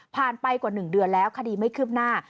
ผ่านไปกว่าหนึ่งเดือนแล้วคดีไม่ขึ้นหน้า